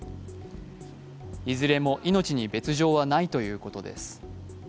いずれも命に別状はないということです。